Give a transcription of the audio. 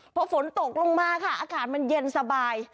พอฝนตกลงมาค่ะอากาศมันเย็นสบาย